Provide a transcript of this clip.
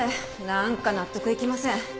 なんか納得いきません。